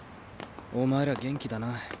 お前ら元気だな。